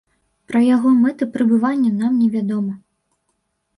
Пра яго мэты прыбывання нам не вядома.